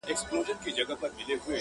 • ګټه نسي کړلای دا دي بهانه ده,